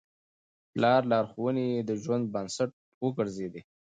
پلارنۍ لارښوونې يې د ژوند بنسټ وګرځېدې.